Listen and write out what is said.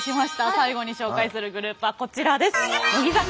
最後に紹介するグループはこちらです。